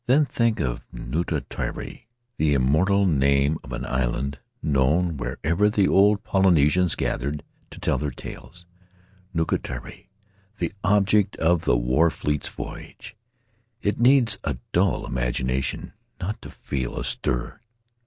Then think of Nukutere — the immemorial name of an island known wherever the old Polynesians gathered to tell their tales; Nukutere: The Object of the War Fleet's Voyage ... it needs a dull imagination not to feel a stir.